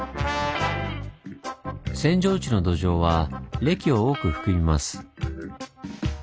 扇状地の土壌は礫を多く含みます。